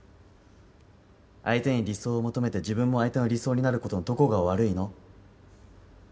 相手に理想を求めて自分も相手の理想になることのどこが悪いの？